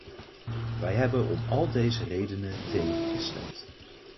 Wij hebben om al deze redenen tegen gestemd.